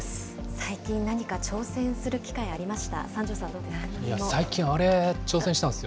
最近、何か挑戦する機会ありました？